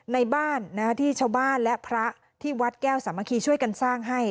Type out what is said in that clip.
ในบ้านที่ชาวบ้านและพระที่วัดแก้วสามัคคีช่วยกันสร้างให้